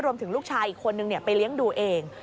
รวมถึงลูกชายอีกคนนึงไปเลี้ยงดูเอง